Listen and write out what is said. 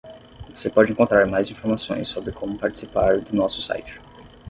Você pode encontrar mais informações sobre como participar do nosso site.